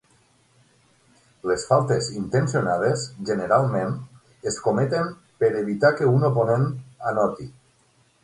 Les faltes intencionades generalment es cometen per evitar que un oponent anoti.